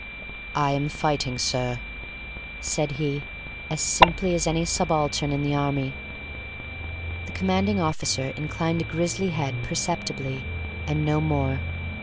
"I am fighting, sir," said he, as simply as any subaltern in the army. The commanding officer inclined a grizzled head perceptibly, and no more.